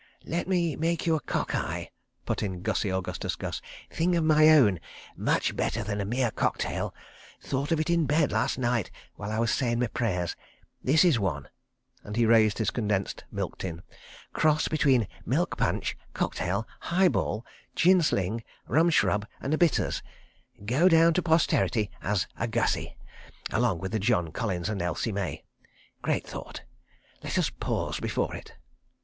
"Let me make you a cock eye," put in Gussie Augustus Gus. "Thing of my own. Much better than a mere cocktail. Thought of it in bed last night while I was sayin' my prayers. This is one," and he raised his condensed milk tin. "Cross between milk punch, cocktail, high ball, gin sling, rum shrub, and a bitters. ... Go down to posterity as a 'Gussie'—along with the John Collins and Elsie May. ... Great thought. ... Let us pause before it.